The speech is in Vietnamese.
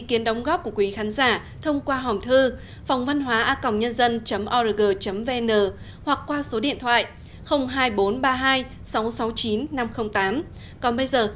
hẹn gặp lại các bạn trong những video tiếp theo